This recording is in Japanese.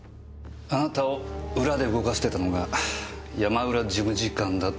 あなたを裏で動かしてたのが山浦事務次官だとも知らずにね。